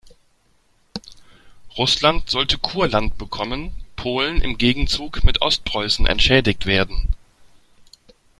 Russland sollte Kurland bekommen, Polen im Gegenzug mit Ostpreußen entschädigt werden.